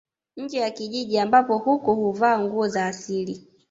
Nje ya kijiji ambapo huko huvaa nguo za asili